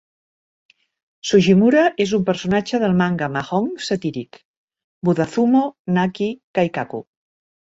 Sugimura és un personatge del manga mahjong satíric "Mudazumo Naki Kaikaku".